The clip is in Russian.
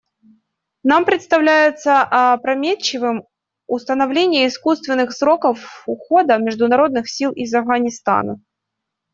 Нам представляется опрометчивым установление искусственных сроков ухода международных сил из Афганистана.